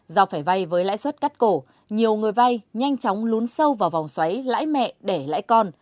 do phải vay với lãi suất cắt cổ nhiều người vay nhanh chóng lún sâu vào vòng xoáy lãi mẹ để lãi con